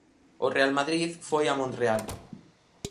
O Real Madrid foi a Montreal.